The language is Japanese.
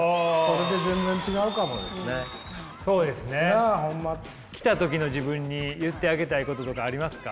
なあホンマ。来た時の自分に言ってあげたいこととかありますか？